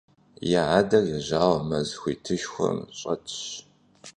Я адэр ежьауэ мэз хуитышхуэм щӀэтщ.